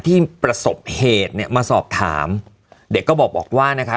ที่ประสบเหตุเนี่ยมาสอบถามเด็กก็บอกว่านะคะ